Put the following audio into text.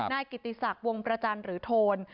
นายกิติศักดิ์วงประจันทร์หรือโทน